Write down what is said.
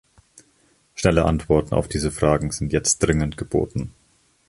Schnelle Antworten auf diese Fragen sind jetzt dringend geboten.